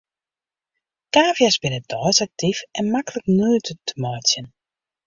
Kavia's binne deis aktyf en maklik nuet te meitsjen.